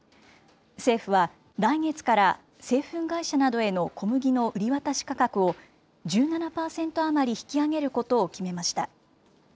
政府は来月から製粉会社などへの小麦の売り渡し価格を１７％余り引き上げることを決めました。